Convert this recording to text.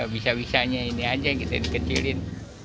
bisa bisanya ini aja yang kita dikecilin